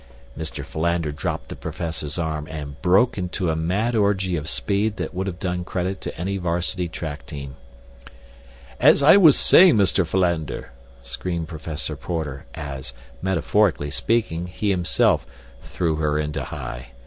Mr. Philander dropped the professor's arm, and broke into a mad orgy of speed that would have done credit to any varsity track team. "As I was saying, Mr. Philander—" screamed Professor Porter, as, metaphorically speaking, he himself "threw her into high."